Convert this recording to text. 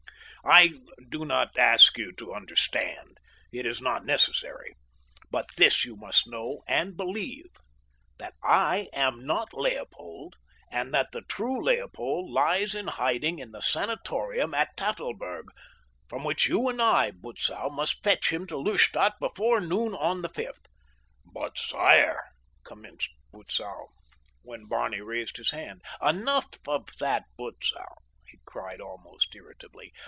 I do not ask you to understand—it is not necessary—but this you must know and believe: that I am not Leopold, and that the true Leopold lies in hiding in the sanatorium at Tafelberg, from which you and I, Butzow, must fetch him to Lustadt before noon on the fifth." "But, sire—" commenced Butzow, when Barney raised his hand. "Enough of that, Butzow!" he cried almost irritably.